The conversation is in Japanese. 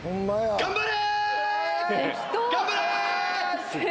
頑張れ。